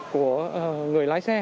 của người lái xe